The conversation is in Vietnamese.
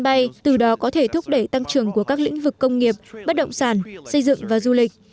bay từ đó có thể thúc đẩy tăng trưởng của các lĩnh vực công nghiệp bất động sản xây dựng và du lịch